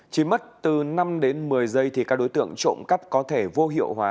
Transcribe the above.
chỉ mất từ năm đến một mươi giây thì các đối tượng trộm cắp có thể vô hiệu hóa